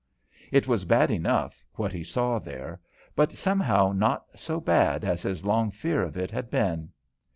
It was bad enough, what he saw there; but somehow not so bad as his long fear of it had been.